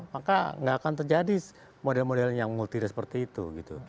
maka nggak akan terjadi model model yang multira seperti itu